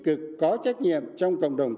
cực có trách nhiệm trong cộng đồng